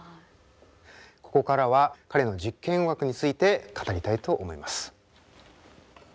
ここからは彼の実験音楽について語りたいと思います。